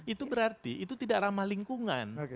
itu berarti itu tidak ramah lingkungan